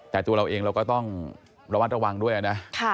แต่ตัวเราเองเราก็ต้องระวัดระวังด้วยนะ